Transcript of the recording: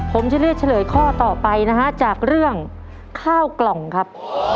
ผมจะเลือกเฉลยข้อต่อไปนะฮะจากเรื่องข้าวกล่องครับ